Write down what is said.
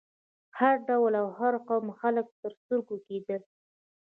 هر ډول او د هر قوم خلک تر سترګو کېدل.